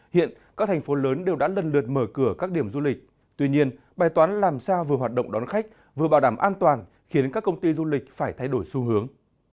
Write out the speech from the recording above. hiện các thành phố lớn đều đã lần lượt mở cửa các điểm du lịch tuy nhiên bài toán làm sao vừa hoạt động đón khách vừa bảo đảm an toàn khiến các công ty du lịch phải thay đổi xu hướng